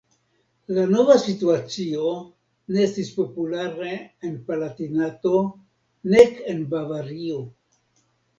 La nova situacio ne estis populara en Palatinato, nek en Bavario.